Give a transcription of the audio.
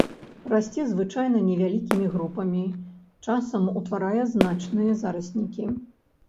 Расце звычайна невялікімі групамі, часам утварае значныя зараснікі.